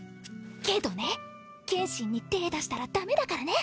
けどね剣心に手出したら駄目だからね。